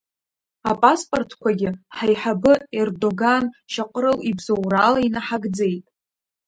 Апаспортқәагьы ҳаиҳабы Ердоган Шьаҟрыл ибзоурала инаҳагӡеит.